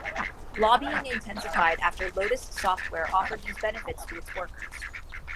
Lobbying intensified after Lotus software offered these benefits to its workers.